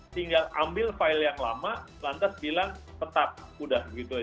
tinggal ambil file yang lama lantas bilang tetap udah gitu aja